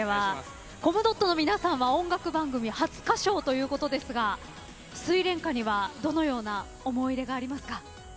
コムドットの皆さんは音楽番組初歌唱ということですが「睡蓮花」にはどのような思い入れがありますか？